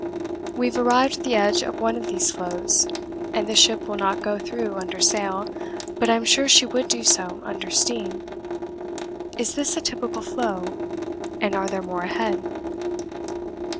We have arrived at the edge of one of these floes, and the ship will not go through under sail, but I'm sure she would do so under steam. Is this a typical floe? And are there more ahead?